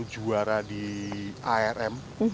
selalu juara di arm